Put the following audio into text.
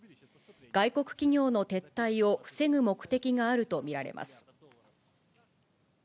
外国企業の撤退を防ぐ目的があると見られます。